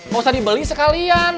gak usah dibeli sekalian